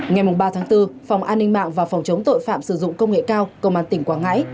ngày ba tháng bốn phòng an ninh mạng và phòng chống tội phạm sử dụng công nghệ cao công an tỉnh quảng ngãi